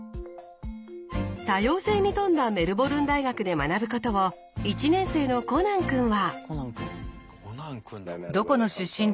多様性に富んだメルボルン大学で学ぶことを１年生のコナン君は。